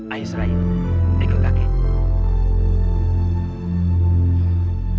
ayo serayu ikut kakek